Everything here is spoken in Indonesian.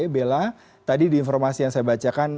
bella tadi di informasi yang saya bacakan